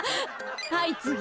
はいつぎ。